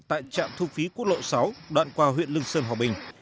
tại trạm thu phí quốc lộ sáu đoạn qua huyện lương sơn hòa bình